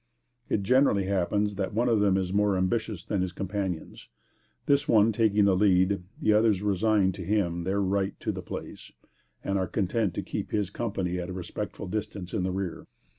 It generally happens that one of them is more ambitious than his companions. This one taking the lead, the others resign to him their right to the place, and are content to keep his company at a respectful distance in the rear.